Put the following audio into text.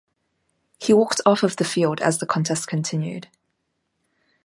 He walked off of the field as the contest continued.